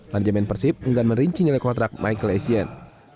lanjaman persib enggan merinci nilai kontrak michael asian